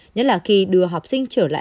nhất là khi đưa học sinh trở lại